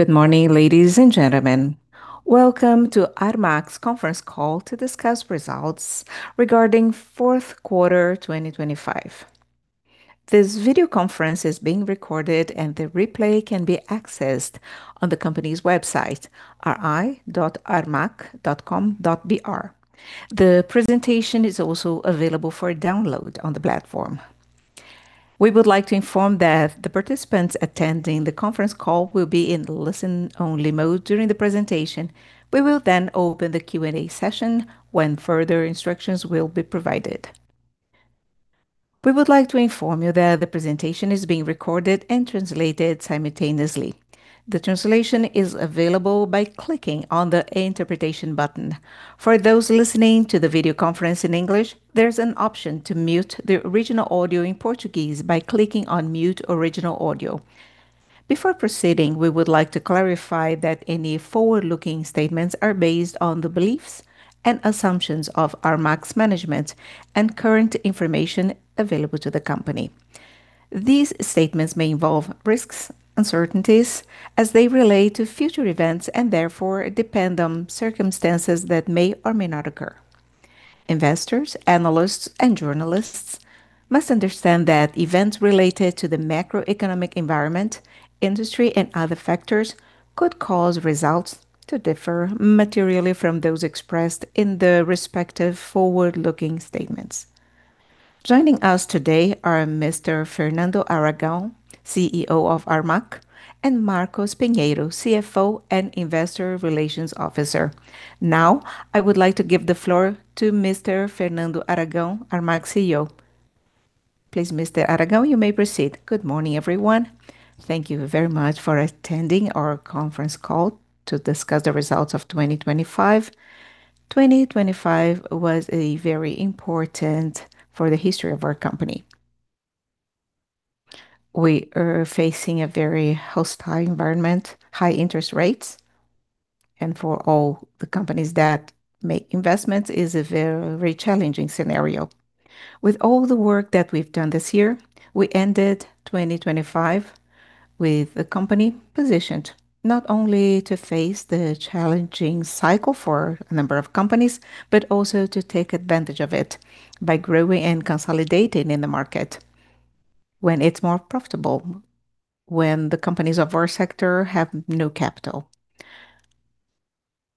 Good morning, ladies and gentlemen. Welcome to Armac's conference call to discuss results regarding fourth quarter 2025. This video conference is being recorded, and the replay can be accessed on the company's website, ri.armac.com.br. The presentation is also available for download on the platform. We would like to inform that the participants attending the conference call will be in listen-only mode during the presentation. We will then open the Q&A session when further instructions will be provided. We would like to inform you that the presentation is being recorded and translated simultaneously. The translation is available by clicking on the Interpretation button. For those listening to the video conference in English, there's an option to mute the original audio in Portuguese by clicking on Mute Original Audio. Before proceeding, we would like to clarify that any forward-looking statements are based on the beliefs and assumptions of Armac's management and current information available to the company. These statements may involve risks, uncertainties as they relate to future events and therefore depend on circumstances that may or may not occur. Investors, analysts, and journalists must understand that events related to the macroeconomic environment, industry, and other factors could cause results to differ materially from those expressed in the respective forward-looking statements. Joining us today are Mr. Fernando Aragão, CEO of Armac, and Marcos Pinheiro, CFO and Investor Relations Officer. Now, I would like to give the floor to Mr. Fernando Aragão, Armac's CEO. Please, Mr. Aragão, you may proceed. Good morning, everyone. Thank you very much for attending our conference call to discuss the results of 2025. 2025 was a very important year for the history of our company. We are facing a very hostile environment, high interest rates, and for all the companies that make investments is a very challenging scenario. With all the work that we've done this year, we ended 2025 with the company positioned not only to face the challenging cycle for a number of companies, but also to take advantage of it by growing and consolidating in the market when it's more profitable, when the companies of our sector have no capital.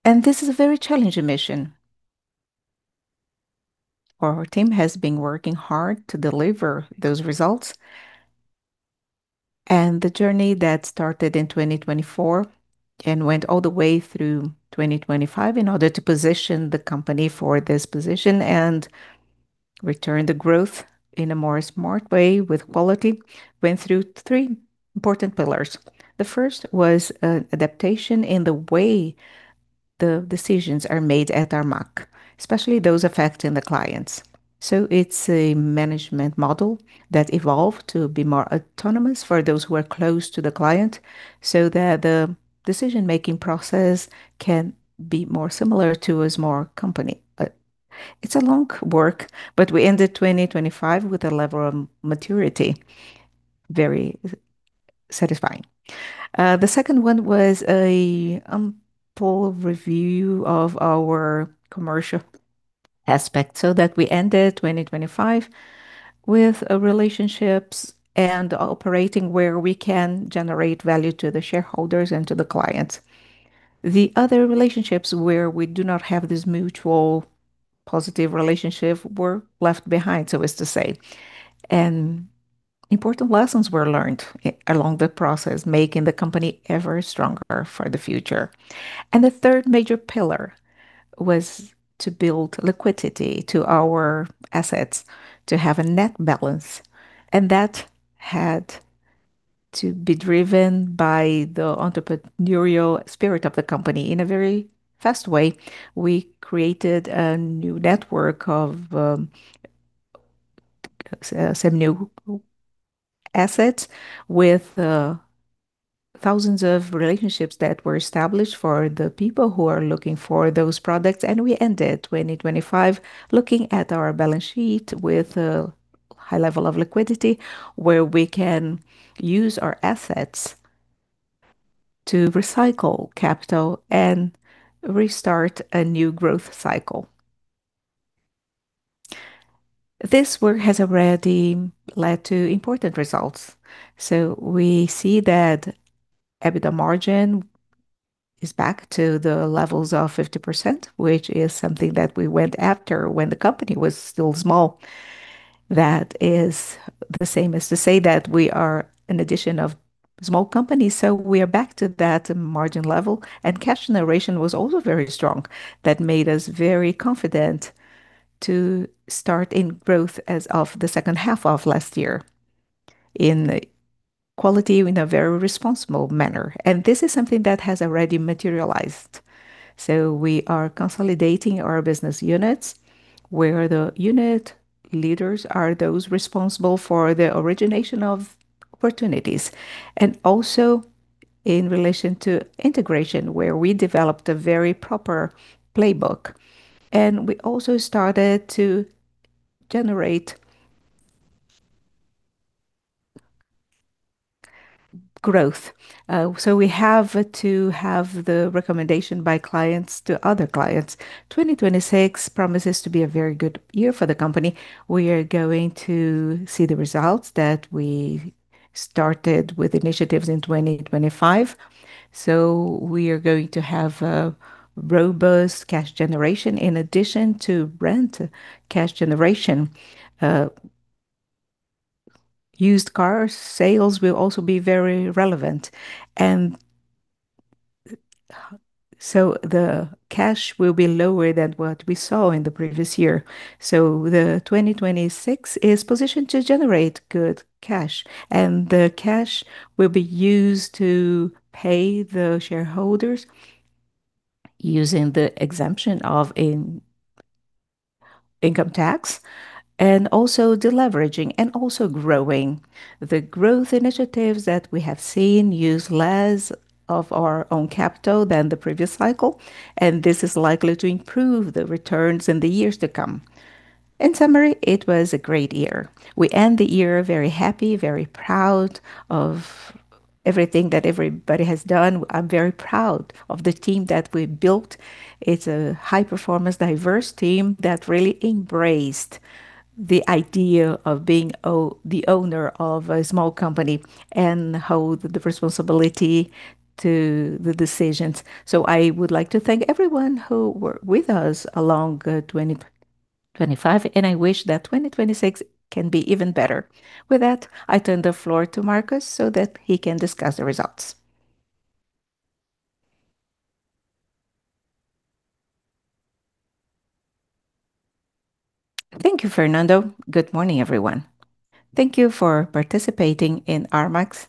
This is a very challenging mission. Our team has been working hard to deliver those results. The journey that started in 2024 and went all the way through 2025 in order to position the company for this position and return the growth in a more smart way with quality went through three important pillars. The first was adaptation in the way the decisions are made at Armac, especially those affecting the clients. It's a management model that evolved to be more autonomous for those who are close to the client, so that the decision-making process can be more similar to a small company. It's a long work, but we ended 2025 with a level of maturity, very satisfying. The second one was a full review of our commercial aspect, so that we ended 2025 with relationships and operations where we can generate value to the shareholders and to the clients. The other relationships where we do not have this mutual positive relationship were left behind, so as to say. Important lessons were learned along the process, making the company ever stronger for the future. The third major pillar was to build liquidity to our assets to have a net balance. That had to be driven by the entrepreneurial spirit of the company. In a very fast way, we created a new network of some new assets with thousands of relationships that were established for the people who are looking for those products. We ended 2025 looking at our balance sheet with a high level of liquidity, where we can use our assets to recycle capital and restart a new growth cycle. This work has already led to important results. We see that EBITDA margin is back to the levels of 50%, which is something that we went after when the company was still small. That is the same as to say that we are an addition of small companies. We are back to that margin level, and cash generation was also very strong. That made us very confident to start in growth as of the second half of last year in quality, in a very responsible manner. This is something that has already materialized. We are consolidating our business units, where the unit leaders are those responsible for the origination of opportunities, and also in relation to integration, where we developed a very proper playbook. We also started to generate growth. We have to have the recommendation by clients to other clients. 2026 promises to be a very good year for the company. We are going to see the results that we started with initiatives in 2025. We are going to have a robust cash generation in addition to rent cash generation. Used car sales will also be very relevant and. The cash will be lower than what we saw in the previous year. The 2026 is positioned to generate good cash, and the cash will be used to pay the shareholders using the exemption of income tax and also deleveraging and also growing. The growth initiatives that we have seen use less of our own capital than the previous cycle, and this is likely to improve the returns in the years to come. In summary, it was a great year. We end the year very happy, very proud of everything that everybody has done. I'm very proud of the team that we built. It's a high-performance, diverse team that really embraced the idea of being the owner of a small company and hold the responsibility to the decisions. I would like to thank everyone who worked with us along 2025, and I wish that 2026 can be even better. With that, I turn the floor to Marcos so that he can discuss the results. Thank you, Fernando. Good morning, everyone. Thank you for participating in Armac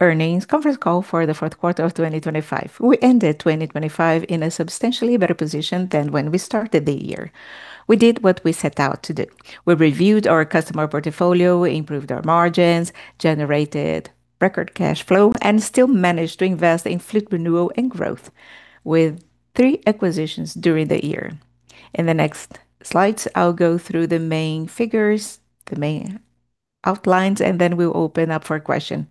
earnings conference call for the fourth quarter of 2025. We ended 2025 in a substantially better position than when we started the year. We did what we set out to do. We reviewed our customer portfolio, improved our margins, generated record cash flow, and still managed to invest in fleet renewal and growth with three acquisitions during the year. In the next slides, I will go through the main figures, the main outlines, and then we will open up for question.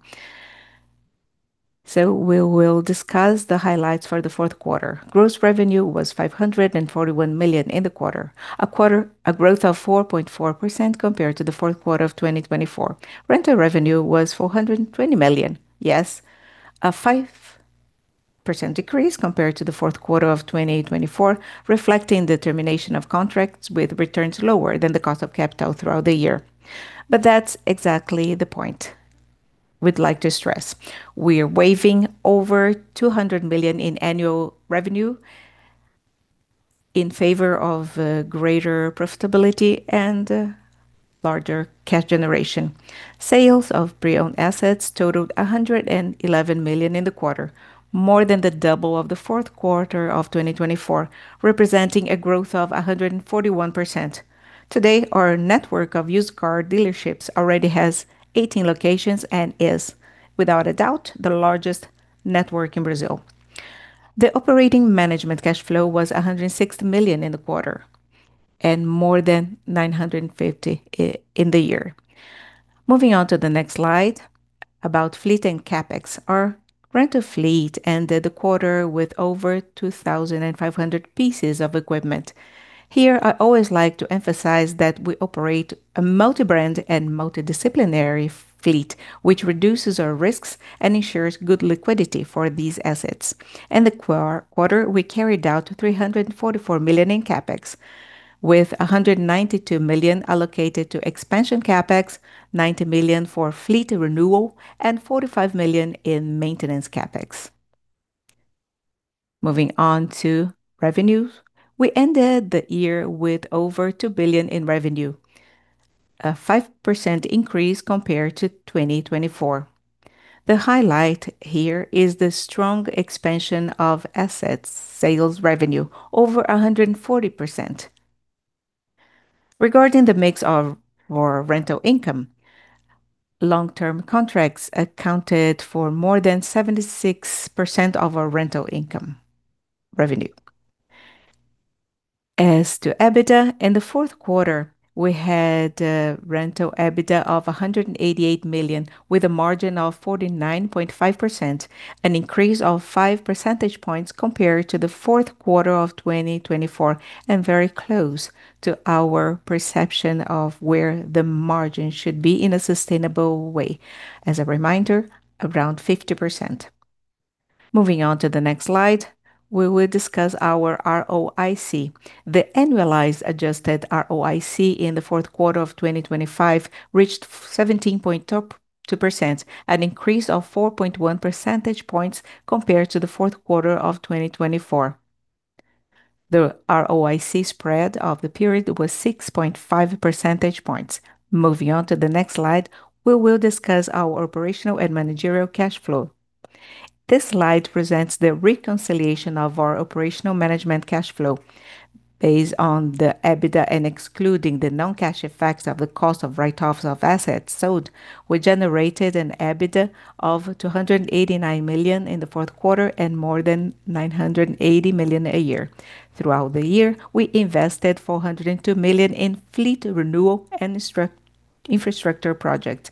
We will discuss the highlights for the fourth quarter. Gross revenue was 541 million in the quarter, a growth of 4.4% compared to the fourth quarter of 2024. Rental revenue was 420 million. Yes, a 5% decrease compared to the fourth quarter of 2024, reflecting the termination of contracts with returns lower than the cost of capital throughout the year. That's exactly the point we'd like to stress. We are waiving over 200 million in annual revenue in favor of greater profitability and larger cash generation. Sales of pre-owned assets totaled 111 million in the quarter, more than the double of the fourth quarter of 2024, representing a growth of 141%. Today, our network of used car dealerships already has 18 locations and is, without a doubt, the largest network in Brazil. The operating management cash flow was 160 million in the quarter and more than 950 million in the year. Moving on to the next slide about fleet and CapEx. Our rental fleet ended the quarter with over 2,500 pieces of equipment. Here, I always like to emphasize that we operate a multi-brand and multidisciplinary fleet, which reduces our risks and ensures good liquidity for these assets. In the quarter, we carried out 344 million in CapEx, with 192 million allocated to expansion CapEx, 90 million for fleet renewal, and 45 million in maintenance CapEx. Moving on to revenues. We ended the year with over 2 billion in revenue, a 5% increase compared to 2024. The highlight here is the strong expansion of assets sales revenue, over 140%. Regarding the mix of our rental income, long-term contracts accounted for more than 76% of our rental income revenue. As to EBITDA, in the fourth quarter, we had rental EBITDA of 188 million with a margin of 49.5%, an increase of 5 percentage points compared to the fourth quarter of 2024 and very close to our perception of where the margin should be in a sustainable way. As a reminder, around 50%. Moving on to the next slide, we will discuss our ROIC. The annualized adjusted ROIC in the fourth quarter of 2025 reached 17.22%, an increase of 4.1 percentage points compared to the fourth quarter of 2024. The ROIC spread of the period was 6.5 percentage points. Moving on to the next slide, we will discuss our operational and managerial cash flow. This slide presents the reconciliation of our operational management cash flow based on the EBITDA and excluding the non-cash effects of the cost of write-offs of assets sold. We generated an EBITDA of BRL 289 million in the fourth quarter and more than BRL 980 million a year. Throughout the year, we invested BRL 402 million in fleet renewal and structure and infrastructure project.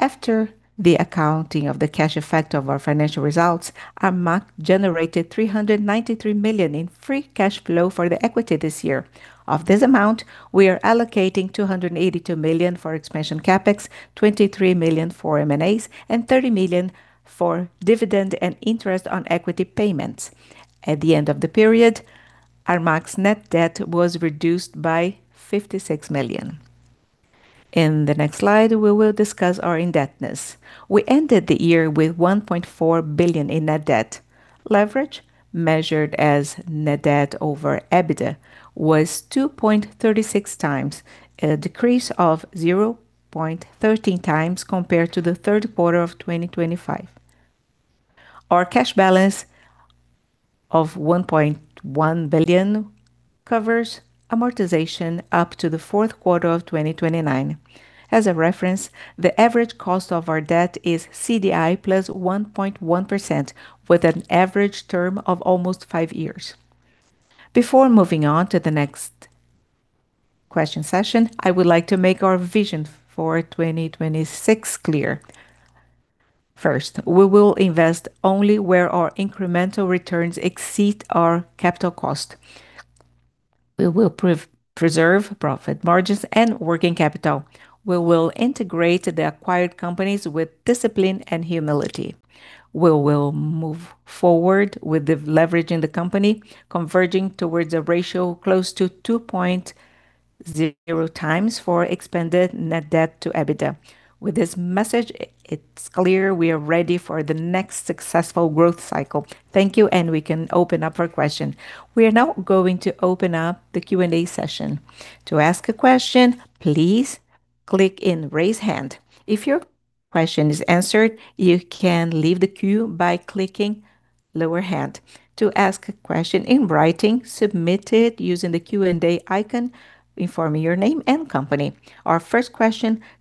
After the accounting of the cash effect of our financial results, Armac generated BRL 393 million in free cash flow for the equity this year. Of this amount, we are allocating BRL 282 million for expansion CapEx, BRL 23 million for M&As, and BRL 30 million for dividend and interest on equity payments. At the end of the period, Armac's net debt was reduced by 56 million. In the next slide, we will discuss our indebtedness. We ended the year with 1.4 billion in net debt. Leverage, measured as net debt over EBITDA, was 2.36x, a decrease of 0.13x compared to the third quarter of 2025. Our cash balance of 1.1 billion covers amortization up to the fourth quarter of 2029. As a reference, the average cost of our debt is CDI plus 1.1%, with an average term of almost five years. Before moving on to the next question session, I would like to make our vision for 2026 clear. First, we will invest only where our incremental returns exceed our capital cost. We will preserve profit margins and working capital. We will integrate the acquired companies with discipline and humility. We will move forward with de-leveraging the company, converging towards a ratio close to 2.0x for expanded net debt to EBITDA. With this message, it's clear we are ready for the next successful growth cycle. Thank you, and we can open up for questions. We are now going to open up the Q&A session. To ask a question please click in Raise Hand. Our first question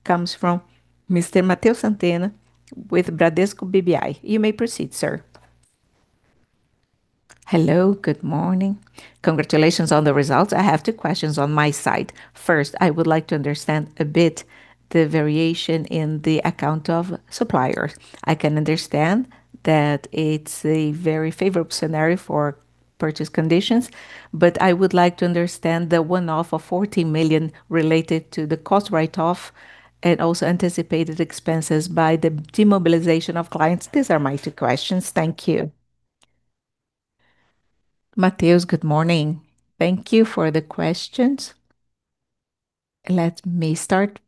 comes from Mr. Mateus Santini with Bradesco BBI. You may proceed, sir. Hello, good morning. Congratulations on the results. I have two questions on my side. First, I would like to understand a bit the variation in the account of suppliers. I can understand that it's a very favorable scenario for purchase conditions, but I would like to understand the one-off of 40 million related to the cost write-off and also anticipated expenses by the demobilization of clients. These are my two questions. Thank you. Mateus, good morning. Thank you for the questions. Let me start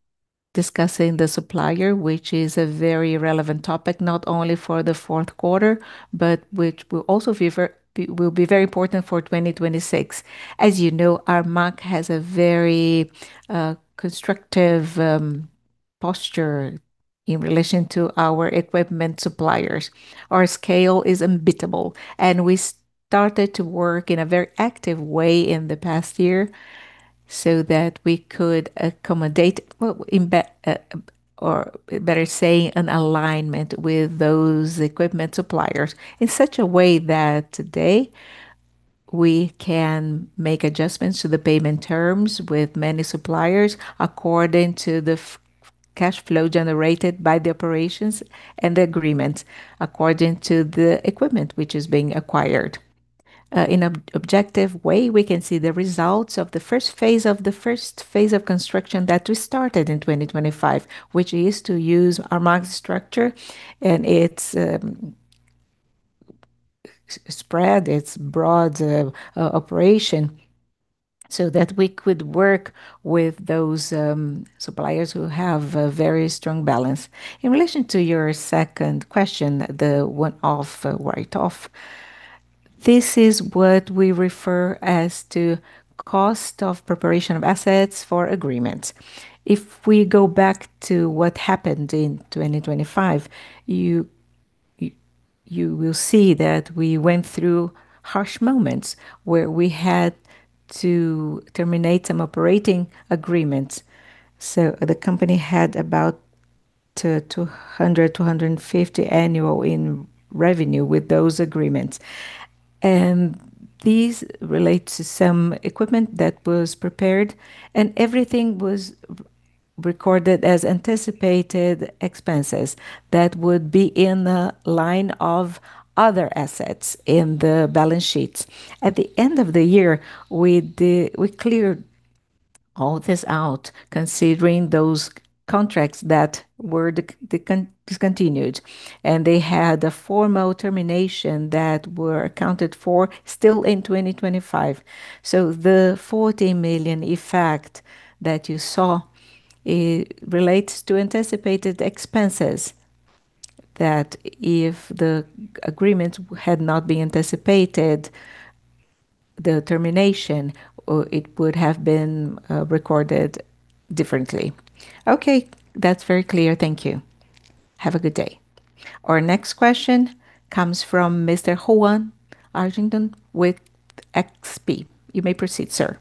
discussing the supplier, which is a very relevant topic, not only for the fourth quarter, but it will be very important for 2026. As you know, Armac has a very constructive posture in relation to our equipment suppliers. Our scale is unbeatable, and we started to work in a very active way in the past year so that we could accommodate, well, or better say an alignment with those equipment suppliers in such a way that today we can make adjustments to the payment terms with many suppliers according to the cash flow generated by the operations and the agreement according to the equipment which is being acquired. In an objective way, we can see the results of the first phase of construction that we started in 2025, which is to use Armac's structure and its spread, its broad operation, so that we could work with those suppliers who have a very strong balance. In relation to your second question, the one-off write-off, this is what we refer to as cost of preparation of assets for agreements. If we go back to what happened in 2025, you will see that we went through harsh moments where we had to terminate some operating agreements, so the company had about 150 million-200 milllion annual in revenue with those agreements. These relate to some equipment that was prepared, and everything was recorded as anticipated expenses that would be in the line of other assets in the balance sheets. At the end of the year, we cleared all this out, considering those contracts that were discontinued, and they had a formal termination that were accounted for still in 2025. The 40 million effect that you saw, it relates to anticipated expenses, that if the agreement had not been anticipated, the termination, it would have been recorded differently. Okay. That's very clear. Thank you. Have a good day. Our next question comes from Mr. João Aragon with XP. You may proceed, sir.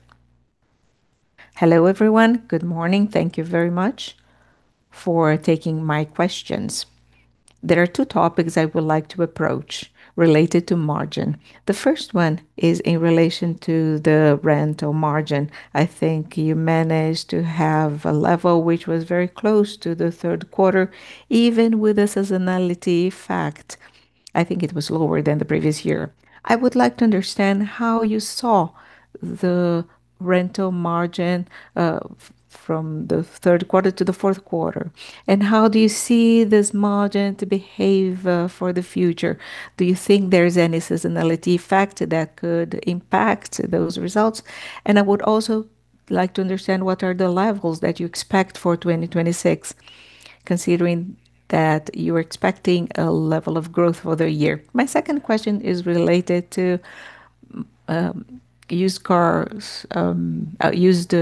Hello, everyone. Good morning. Thank you very much for taking my questions. There are two topics I would like to approach related to margin. The first one is in relation to the rental margin. I think you managed to have a level which was very close to the third quarter, even with a seasonality factor. I think it was lower than the previous year. I would like to understand how you saw the rental margin from the third quarter to the fourth quarter, and how do you see this margin to behave for the future? Do you think there is any seasonality factor that could impact those results? I would also like to understand what are the levels that you expect for 2026, considering that you are expecting a level of growth for the year. My second question is related to used cars, used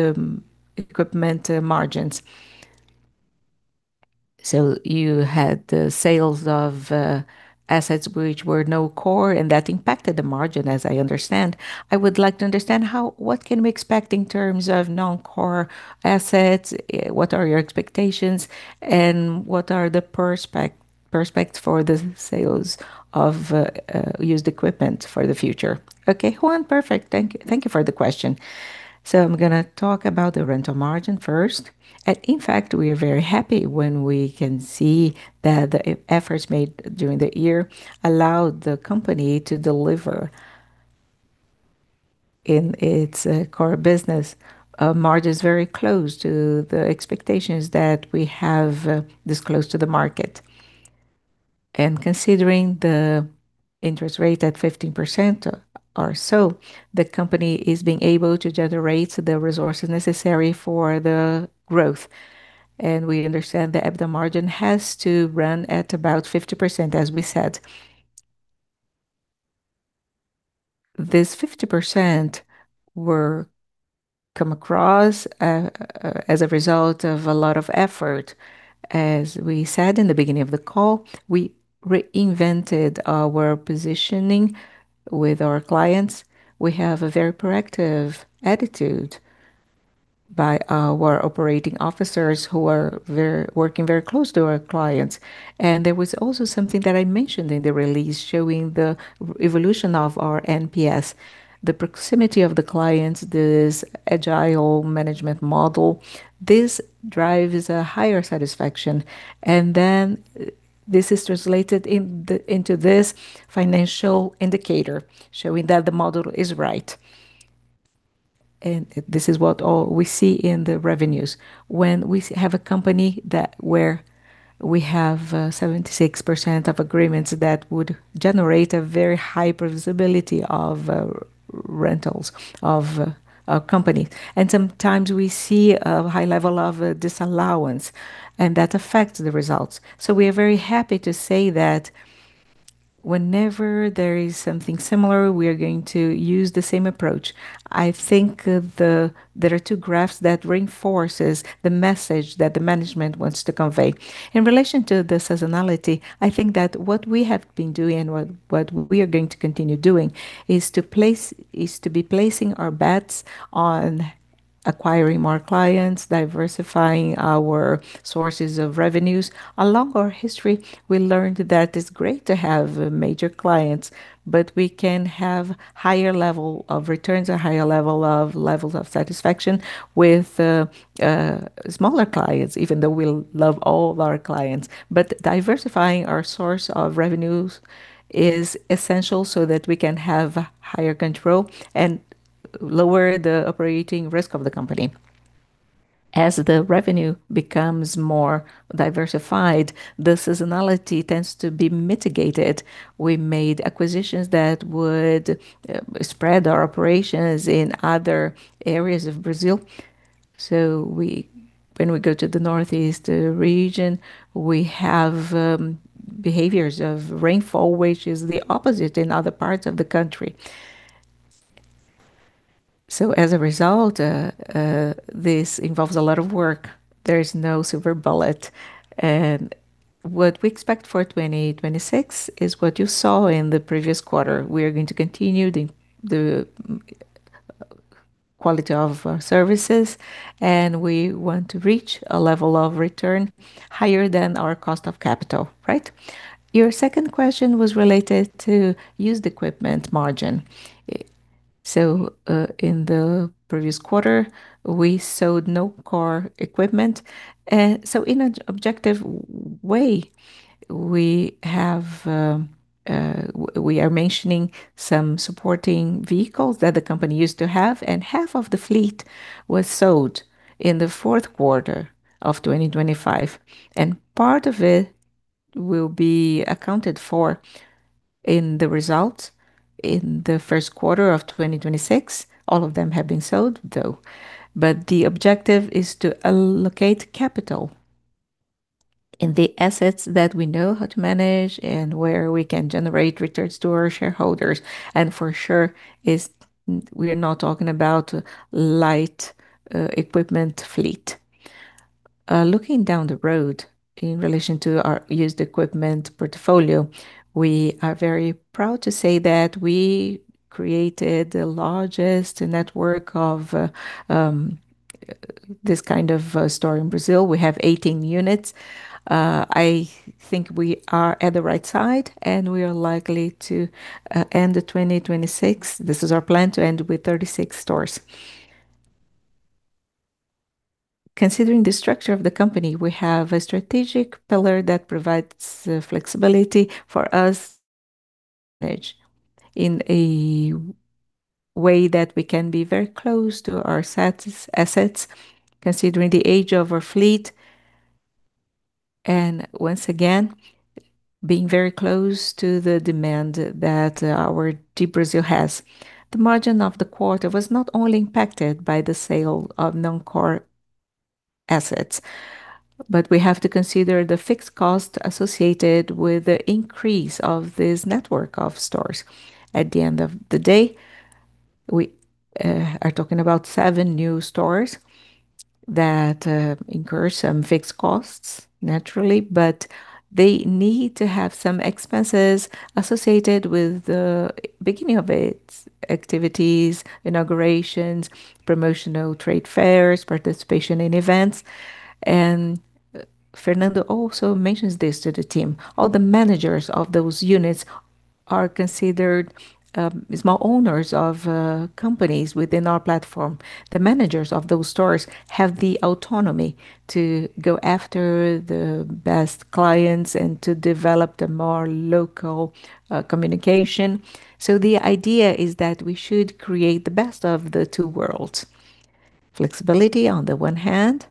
equipment margins. You had the sales of assets which were non-core and that impacted the margin, as I understand. I would like to understand what can we expect in terms of non-core assets, what are your expectations, and what are the perspectives for the sales of used equipment for the future? Okay, João, perfect. Thank you. Thank you for the question. I'm gonna talk about the rental margin first. In fact, we are very happy when we can see that the efforts made during the year allowed the company to deliver in its core business margins very close to the expectations that we have disclosed to the market. Considering the interest rate at 50% or so, the company is being able to generate the resources necessary for the growth. We understand the EBITDA margin has to run at about 50%, as we said. This 50% were come across as a result of a lot of effort. As we said in the beginning of the call, we reinvented our positioning with our clients. We have a very proactive attitude by our operating officers who are working very close to our clients. There was also something that I mentioned in the release showing the revolution of our NPS. The proximity of the clients, this agile management model, this drives a higher satisfaction, and then this is translated into this financial indicator, showing that the model is right. This is what we all see in the revenues. When we have a company that, where we have 76% of agreements that would generate a very high predictability of rentals of a company. Sometimes we see a high level of disallowance, and that affects the results. We are very happy to say that whenever there is something similar, we are going to use the same approach. I think there are two graphs that reinforces the message that the management wants to convey. In relation to the seasonality, I think that what we have been doing and what we are going to continue doing is to be placing our bets on acquiring more clients, diversifying our sources of revenues. Along our history, we learned that it's great to have major clients, but we can have higher level of returns or higher levels of satisfaction with smaller clients, even though we love all of our clients. Diversifying our source of revenues is essential so that we can have higher control and lower the operating risk of the company. As the revenue becomes more diversified, the seasonality tends to be mitigated. We made acquisitions that would spread our operations in other areas of Brazil. We, when we go to the Northeast region, have behaviors of rainfall which is the opposite in other parts of the country. As a result, this involves a lot of work. There is no silver bullet. What we expect for 2026 is what you saw in the previous quarter. We are going to continue the quality of our services, and we want to reach a level of return higher than our cost of capital, right? Your second question was related to used equipment margin. In the previous quarter, we sold no core equipment. In an objective way, we are mentioning some supporting vehicles that the company used to have, and half of the fleet was sold in the fourth quarter of 2025. Part of it will be accounted for in the results in the first quarter of 2026. All of them have been sold, though. The objective is to allocate capital in the assets that we know how to manage and where we can generate returns to our shareholders. For sure is we are not talking about light equipment fleet. Looking down the road. In relation to our used equipment portfolio, we are very proud to say that we created the largest network of this kind of store in Brazil. We have 18 units. I think we are at the right side, and we are likely to end 2026. This is our plan, to end with 36 stores. Considering the structure of the company, we have a strategic pillar that provides the flexibility for usage in a way that we can be very close to our assets, considering the age of our fleet, and once again, being very close to the demand that our entire Brazil has. The margin of the quarter was not only impacted by the sale of non-core assets, but we have to consider the fixed cost associated with the increase of this network of stores. At the end of the day, we are talking about seven new stores that incur some fixed costs naturally, but they need to have some expenses associated with the beginning of its activities, inaugurations, promotional trade fairs, participation in events. Fernando also mentions this to the team. All the managers of those units are considered small owners of companies within our platform. The managers of those stores have the autonomy to go after the best clients and to develop the more local communication. The idea is that we should create the best of the two worlds. Flexibility on the one hand,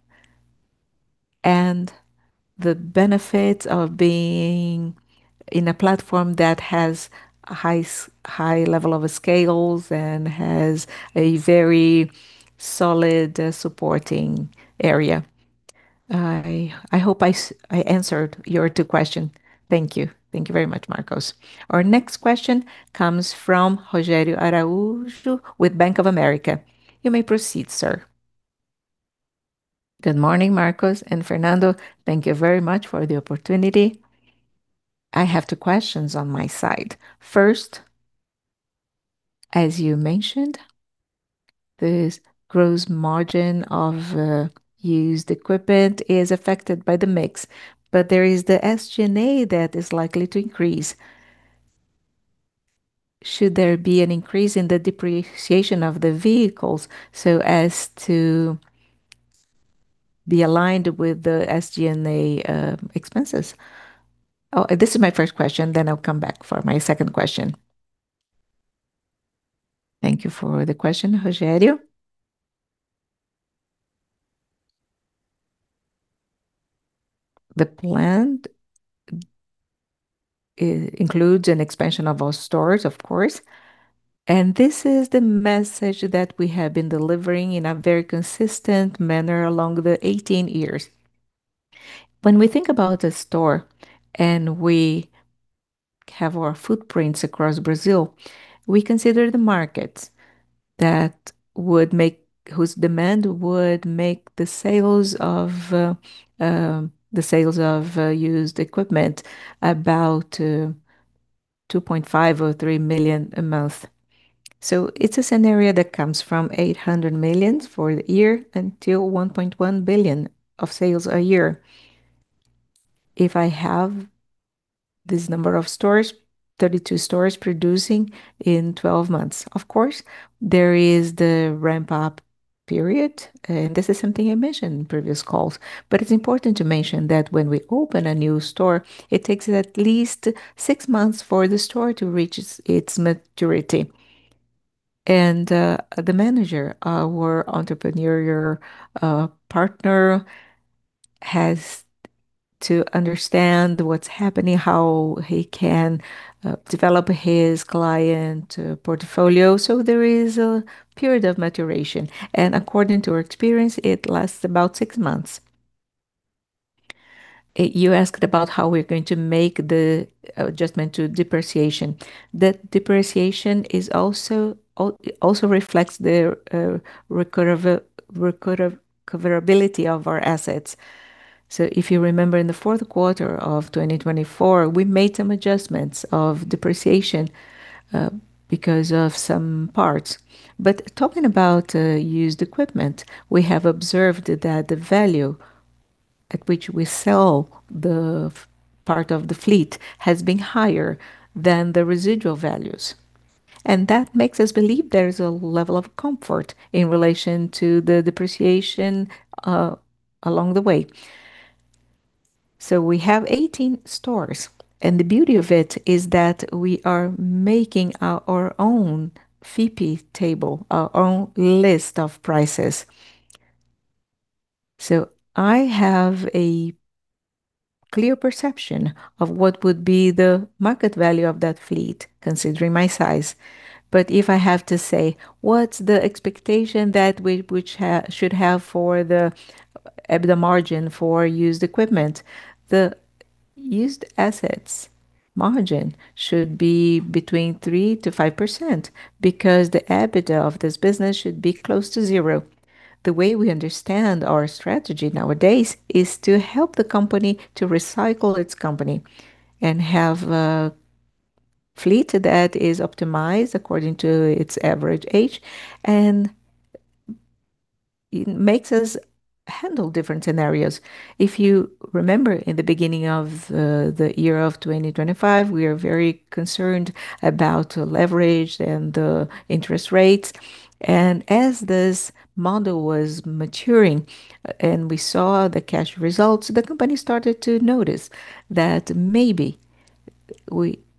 and the benefit of being in a platform that has a high level of scale and has a very solid supporting area. I hope I answered your two question. Thank you. Thank you very much, Marcos. Our next question comes from Rogério Araújo with Bank of America. You may proceed, sir. Good morning, Marcos and Fernando. Thank you very much for the opportunity. I have two questions on my side. First, as you mentioned, this gross margin of used equipment is affected by the mix, but there is the SG&A that is likely to increase. Should there be an increase in the depreciation of the vehicles so as to be aligned with the SG&A expenses? This is my first question, then I'll come back for my second question. Thank you for the question, Rogério. The plan includes an expansion of our stores, of course. This is the message that we have been delivering in a very consistent manner along the 18 years. When we think about a store and we have our footprints across Brazil, we consider the markets whose demand would make the sales of used equipment about 2.5 million or 3 million a month. It's a scenario that comes from 800 million for the year until 1.1 billion of sales a year. If I have this number of stores, 32 stores producing in 12 months, of course, there is the ramp-up period, and this is something I mentioned in previous calls. It's important to mention that when we open a new store, it takes at least six months for the store to reach its maturity. The manager, our entrepreneur, our partner, has to understand what's happening, how he can develop his client portfolio. There is a period of maturation, and according to our experience, it lasts about six months. You asked about how we're going to make the adjustment to depreciation. The depreciation is also reflects the recoverability of our assets. If you remember in the fourth quarter of 2024, we made some adjustments of depreciation because of some parts. Talking about used equipment, we have observed that the value at which we sell the part of the fleet has been higher than the residual values. That makes us believe there is a level of comfort in relation to the depreciation along the way. We have 18 stores, and the beauty of it is that we are making our own FIPE table, our own list of prices. I have a clear perception of what would be the market value of that fleet, considering my size. If I have to say, what's the expectation that we should have for the EBITDA margin for used equipment, the used assets margin should be between 3%-5% because the EBITDA of this business should be close to zero. The way we understand our strategy nowadays is to help the company to recycle its CapEx and have a fleet that is optimized according to its average age and it makes us handle different scenarios. If you remember in the beginning of the year of 2025, we are very concerned about leverage and the interest rates. As this model was maturing and we saw the cash results, the company started to notice that maybe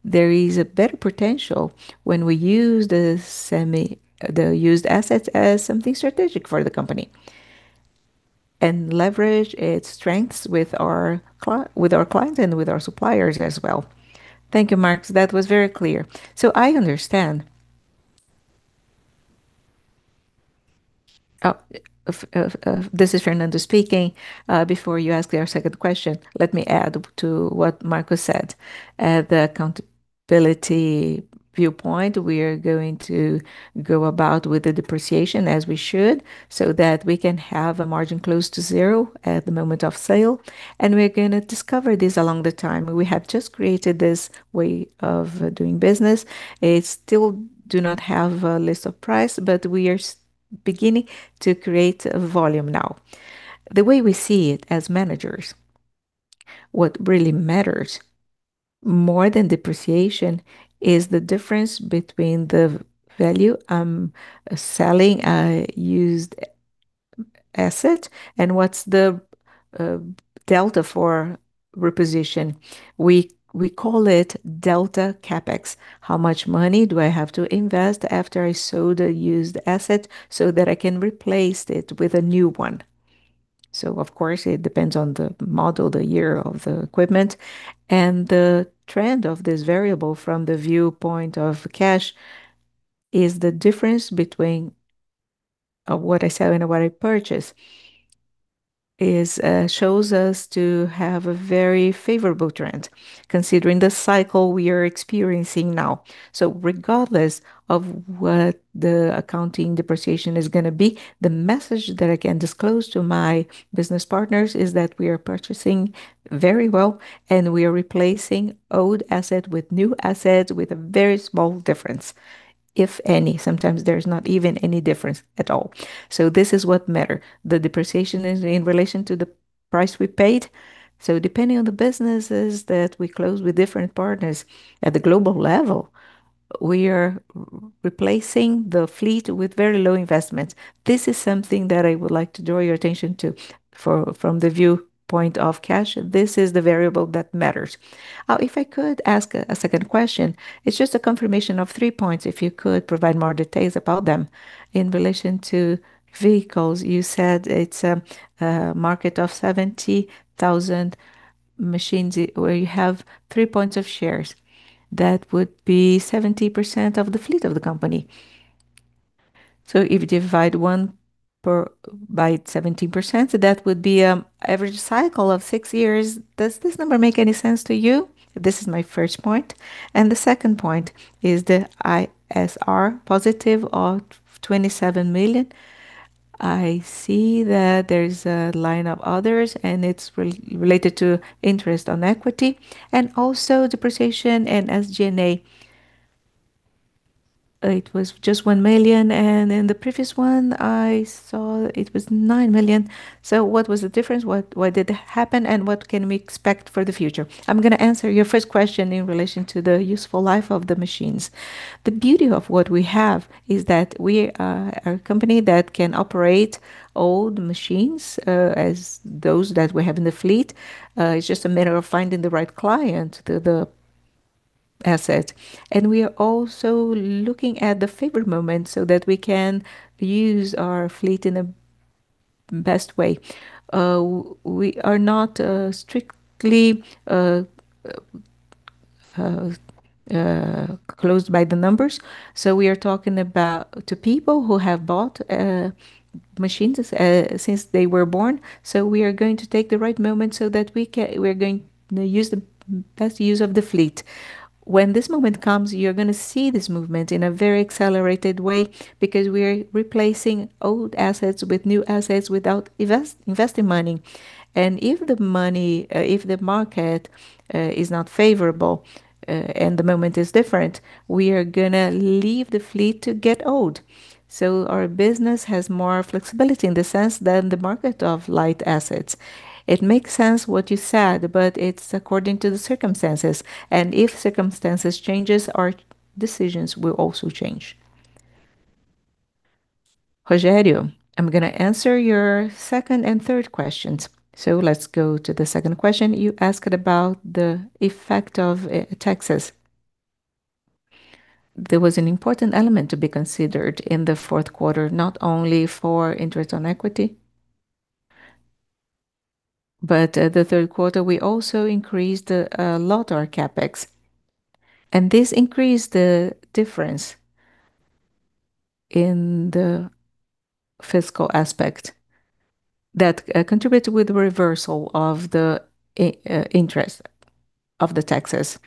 there is a better potential when we use the used assets as something strategic for the company and leverage its strengths with our clients and with our suppliers as well. Thank you, Marcos. That was very clear. I understand. This is Fernando speaking. Before you ask your second question, let me add to what Marcos said. At the accounting viewpoint, we are going to go about with the depreciation as we should, so that we can have a margin close to zero at the moment of sale. We're gonna discover this over time. We have just created this way of doing business. We still do not have a list price, but we are beginning to create a volume now. The way we see it as managers, what really matters more than depreciation is the difference between the value I'm selling a used asset and what's the delta for reposition. We call it delta CapEx. How much money do I have to invest after I sold a used asset so that I can replace it with a new one? Of course, it depends on the model, the year of the equipment. The trend of this variable from the viewpoint of cash is the difference between what I sell and what I purchase. It shows us to have a very favorable trend considering the cycle we are experiencing now. Regardless of what the accounting depreciation is gonna be, the message that I can disclose to my business partners is that we are purchasing very well and we are replacing old asset with new assets with a very small difference, if any. Sometimes there's not even any difference at all. This is what matter. The depreciation is in relation to the price we paid. Depending on the businesses that we close with different partners at the global level, we are replacing the fleet with very low investments. This is something that I would like to draw your attention to. From the viewpoint of cash, this is the variable that matters. If I could ask a second question. It's just a confirmation of three points if you could provide more details about them. In relation to vehicles, you said it's a market of 70,000 machines where you have 3 points of shares. That would be 70% of the fleet of the company. If you divide one year by 70%, that would be average cycle of six years. Does this number make any sense to you? This is my first point. The second point is the IR positive of 27 million. I see that there is a line of others and it's related to interest on equity and also depreciation and SG&A. It was just 1 million, and in the previous one I saw it was 9 million. What was the difference? What did happen and what can we expect for the future? I'm gonna answer your first question in relation to the useful life of the machines. The beauty of what we have is that we are a company that can operate old machines as those that we have in the fleet. It's just a matter of finding the right client, the asset. We are also looking at the favorable moment so that we can use our fleet in the best way. We are not strictly bound by the numbers. We are talking to people who have bought machines since they were new. We are going to take the right moment so that we can use the best use of the fleet, you know. When this moment comes, you're gonna see this movement in a very accelerated way because we are replacing old assets with new assets without investing money. If the market is not favorable and the moment is different, we are gonna leave the fleet to get old. Our business has more flexibility in the sense than the market of light assets. It makes sense what you said, but it's according to the circumstances. If circumstances changes, our decisions will also change. Rogério, I'm gonna answer your second and third questions. Let's go to the second question. You asked about the effect of taxes. There was an important element to be considered in the fourth quarter, not only for interest on equity, but the third quarter, we also increased a lot our CapEx, and this increased the difference in the fiscal aspect that contributed with the reversal of the interest of the taxes.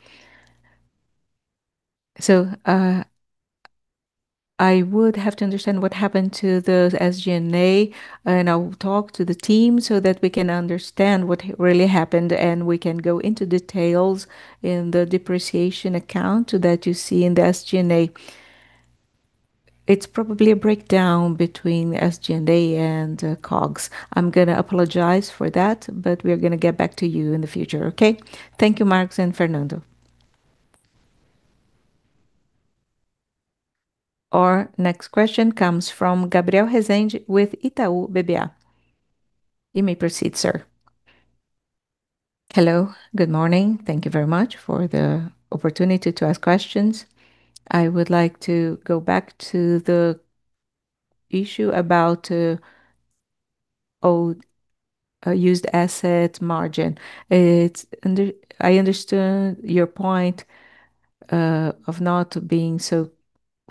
I would have to understand what happened to those SG&A, and I'll talk to the team so that we can understand what really happened, and we can go into details in the depreciation account that you see in the SG&A. It's probably a breakdown between SG&A and COGS. I'm gonna apologize for that, but we are gonna get back to you in the future, okay? Thank you, Marcos Pinheiro and Fernando Aragão. Our next question comes from Gabriel Rezende with Itaú BBA. You may proceed, sir. Hello. Good morning. Thank you very much for the opportunity to ask questions. I would like to go back to the issue about old used asset margin. I understood your point of not being so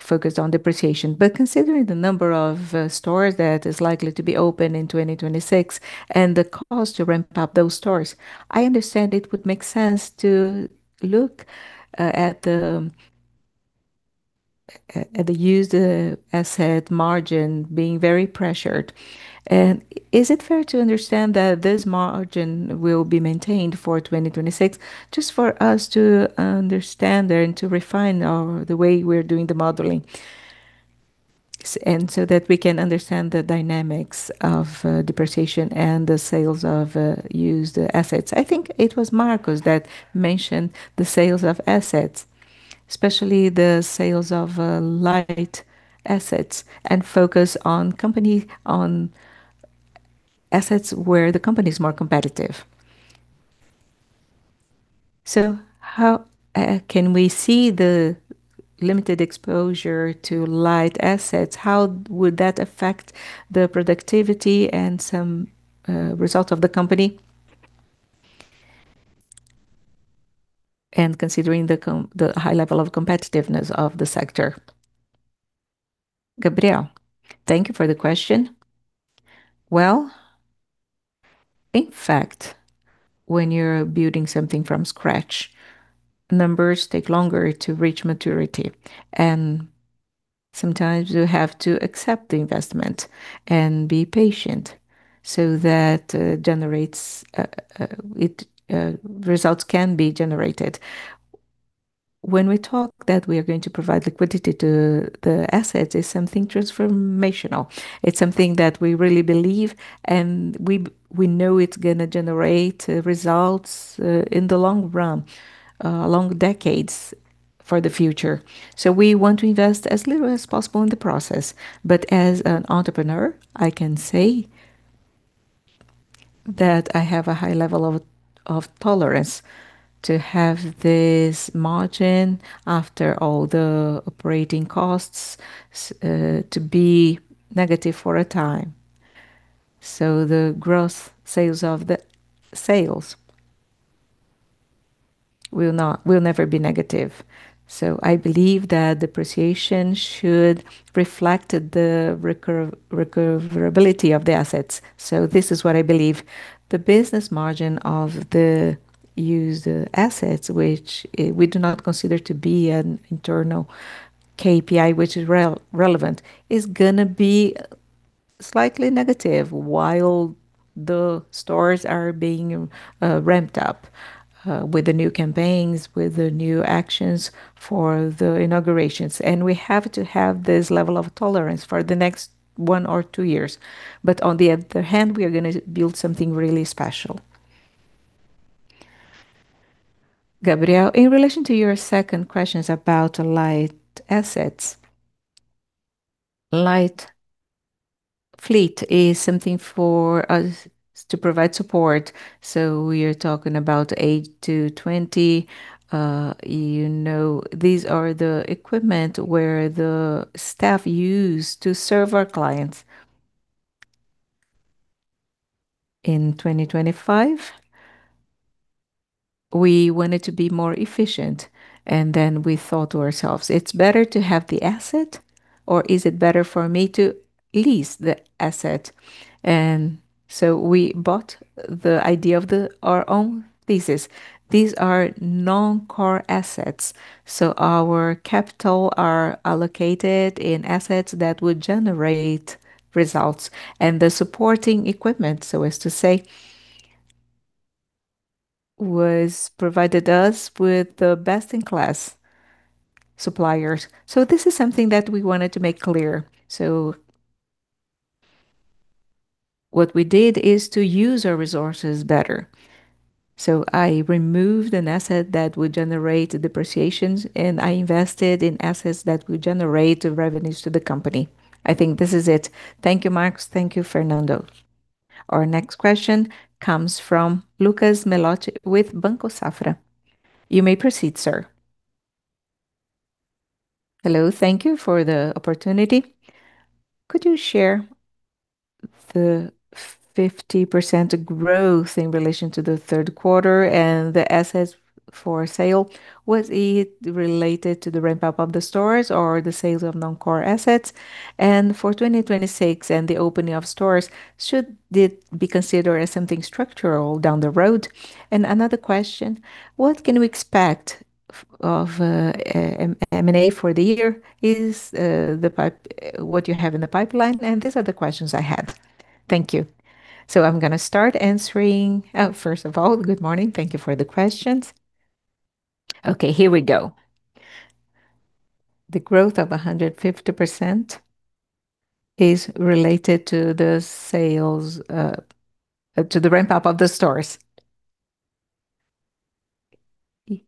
focused on depreciation. Considering the number of stores that is likely to be open in 2026 and the cost to ramp up those stores, I understand it would make sense to look at the used asset margin being very pressured. Is it fair to understand that this margin will be maintained for 2026? Just for us to understand there and to refine the way we're doing the modeling and so that we can understand the dynamics of depreciation and the sales of used assets. I think it was Marcos that mentioned the sales of assets, especially the sales of light assets and focus on assets where the company is more competitive. How can we see the limited exposure to light assets? How would that affect the productivity and some result of the company? The high level of competitiveness of the sector. Gabriel, thank you for the question. Well, in fact, when you're building something from scratch, numbers take longer to reach maturity, and sometimes you have to accept the investment and be patient so that results can be generated. When we talk that we are going to provide liquidity to the assets, it's something transformational. It's something that we really believe, and we know it's gonna generate results in the long run, along decades for the future. We want to invest as little as possible in the process. But as an entrepreneur, I can say that I have a high level of tolerance to have this margin after all the operating costs to be negative for a time. The sales growth will never be negative. I believe that depreciation should reflect the recoverability of the assets. This is what I believe. The business margin of the used assets, which we do not consider to be an internal KPI, which is relevant, is gonna be slightly negative while the stores are being ramped up with the new campaigns, with the new actions for the inaugurations. We have to have this level of tolerance for the next one or two years. On the other hand, we are gonna build something really special. Gabriel, in relation to your second question about light assets. Light fleet is something for us to provide support, so we are talking about 8-20. You know, these are the equipment where the staff use to serve our clients. In 2025, we wanted to be more efficient, and then we thought to ourselves, "It's better to have the asset," or, "Is it better for me to lease the asset?" We bought the idea of our own thesis. These are non-core assets, so our capital are allocated in assets that would generate results. The supporting equipment, so as to say, was provided us with the best-in-class suppliers. This is something that we wanted to make clear. What we did is to use our resources better. I removed an asset that would generate depreciations, and I invested in assets that would generate revenues to the company. I think this is it. Thank you, Marcos. Thank you, Fernando Aragão. Our next question comes from Lucas [Melloni] with Banco Safra. You may proceed, sir. Hello. Thank you for the opportunity. The 50% growth in relation to the third quarter and the assets for sale, was it related to the ramp up of the stores or the sales of non-core assets? For 2026 and the opening of stores, should it be considered as something structural down the road? Another question, what can we expect of M&A for the year? What you have in the pipeline? These are the questions I have. Thank you. I'm gonna start answering. First of all, good morning. Thank you for the questions. Here we go. The growth of 150% is related to the sales, to the ramp up of the stores.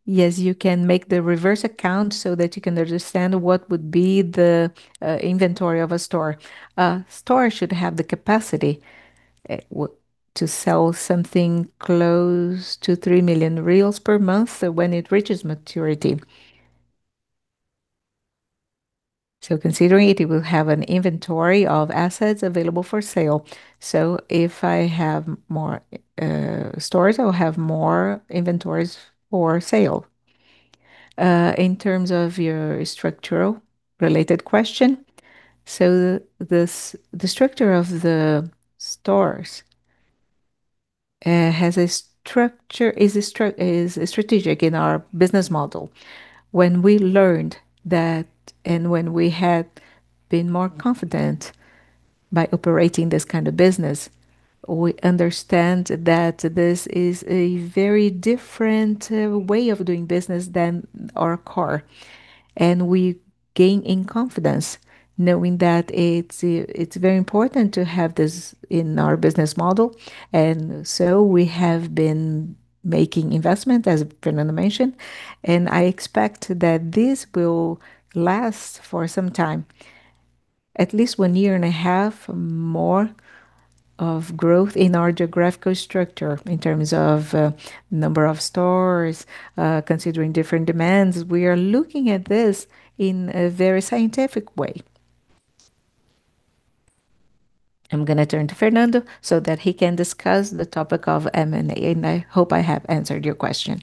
Yes, you can make the reverse calculation so that you can understand what would be the inventory of a store. A store should have the capacity to sell something close to 3 million per month when it reaches maturity. Considering it will have an inventory of assets available for sale. If I have more stores, I will have more inventories for sale. In terms of your structural related question, the structure of the stores has a structure, is strategic in our business model. When we learned that and when we had been more confident by operating this kind of business, we understand that this is a very different way of doing business than our core. We gaining confidence knowing that it's very important to have this in our business model. We have been making investment, as Fernando mentioned, and I expect that this will last for some time, at least one year and a half more of growth in our geographical structure in terms of, number of stores, considering different demands. We are looking at this in a very scientific way. I'm gonna turn to Fernando so that he can discuss the topic of M&A, and I hope I have answered your question.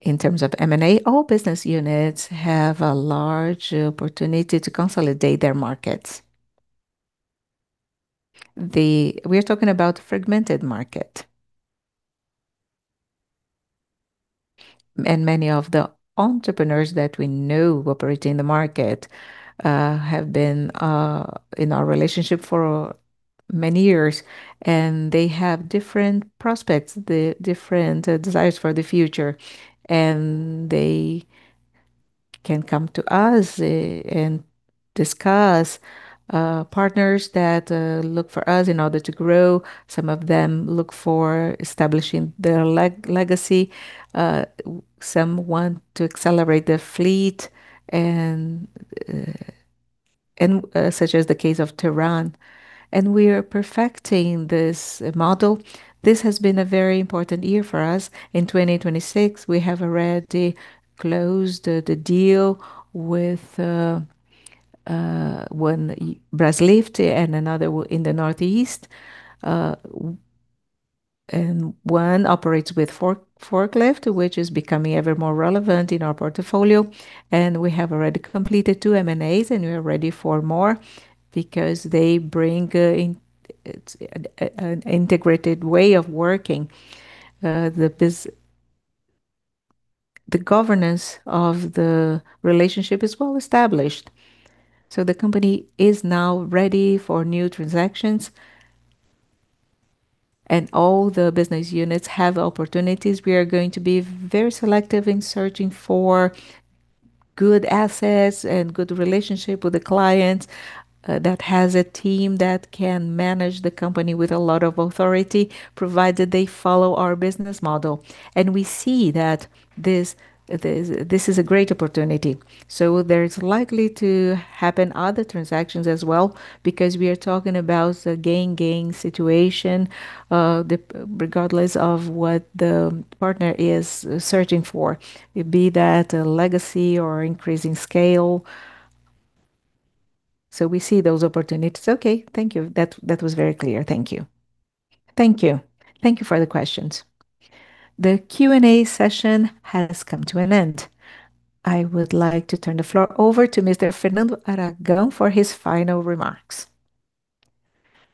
In terms of M&A, all business units have a large opportunity to consolidate their markets. We are talking about fragmented market. Many of the entrepreneurs that we know operating in the market have been in our relationship for many years, and they have different prospects, the different desires for the future, and they can come to us and discuss partners that look for us in order to grow. Some of them look for establishing their legacy. Some want to accelerate their fleet and such as the case of Teran. We are perfecting this model. This has been a very important year for us. In 2026, we have already closed the deal with one Braslift and another in the Northeast, and one operates with forklift, which is becoming ever more relevant in our portfolio. We have already completed two M&As, and we are ready for more because they bring in an integrated way of working. The governance of the relationship is well established, so the company is now ready for new transactions and all the business units have opportunities. We are going to be very selective in searching for good assets and good relationship with the clients that has a team that can manage the company with a lot of authority, provided they follow our business model. We see that this is a great opportunity. There is likely to happen other transactions as well because we are talking about a gain-gain situation, regardless of what the partner is searching for, be that a legacy or increasing scale. We see those opportunities. Okay. Thank you. That was very clear. Thank you for the questions. The Q&A session has come to an end. I would like to turn the floor over to Mr. Fernando Aragão for his final remarks.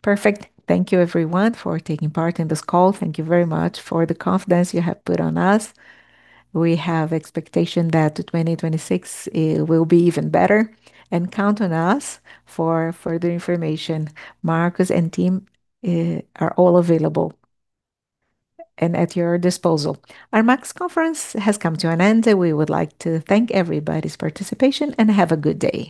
Perfect. Thank you everyone for taking part in this call. Thank you very much for the confidence you have put on us. We have expectation that 2026 will be even better, and count on us for further information. Marcos and team are all available and at your disposal. Armac conference has come to an end, and we would like to thank everybody's participation and have a good day.